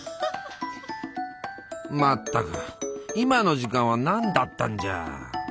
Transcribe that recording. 全く今の時間は何だったんじゃ。